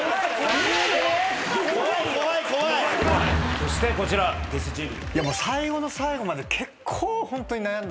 そしてこちらゲストチーム。